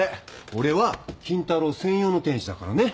俺は金太郎専用の天使だからね。